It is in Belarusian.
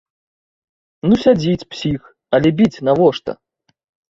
Ну сядзіць псіх, але біць навошта?